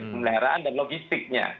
pemeliharaan dan logistiknya